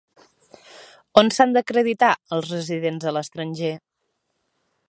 On s'han d'acreditar els residents a l'estranger?